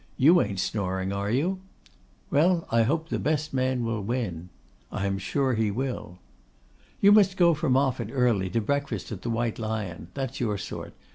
You ain't snoring, are you?' 'Well, I hope the best man will win.' 'I am sure he will.' 'You must go for Moffatt early, to breakfast at the White Lion; that's your sort.